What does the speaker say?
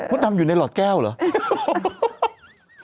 ดำอยู่ในหลอดแก้วเหรอ